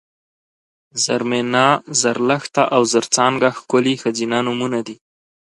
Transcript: زرمېنه ، زرلښته او زرڅانګه ښکلي ښځینه نومونه دي